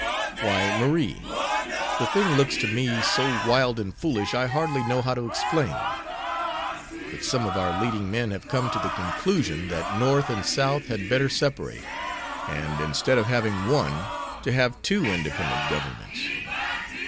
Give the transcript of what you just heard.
"Why, Marie, the thing looks to me so wild and foolish I hardly know how to explain. But some of our leading men have come to the conclusion that North and South had better separate, and instead of having one to have two independent governments.